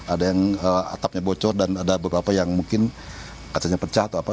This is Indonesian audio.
ada yang atapnya bocor dan ada beberapa yang mungkin kacanya pecah atau apa